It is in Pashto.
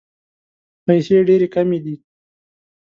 پیسې ډېري کمي دي.